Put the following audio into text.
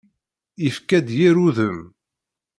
Yefka-d yir udem.